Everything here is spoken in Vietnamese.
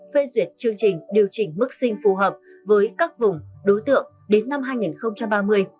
phê duyệt chương trình điều chỉnh mức sinh phù hợp với các vùng đối tượng đến năm hai nghìn ba mươi